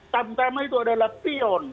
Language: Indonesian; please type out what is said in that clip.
tamtama itu adalah pion